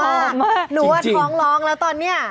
มากหนูอาจท้องร้องแล้วตอนนี้